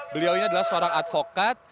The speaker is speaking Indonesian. beliau ini adalah seorang advokat